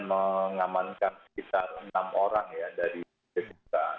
mengamankan sekitar enam orang dari jumat